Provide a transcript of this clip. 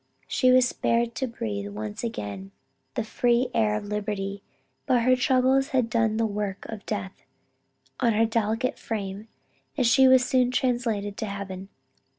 She was spared to breathe once again the free air of liberty, but her troubles had done the work of death on her delicate frame, and she was soon translated to heaven.